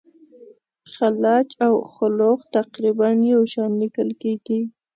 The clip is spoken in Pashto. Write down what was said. خلج او خُلُّخ تقریبا یو شان لیکل کیږي.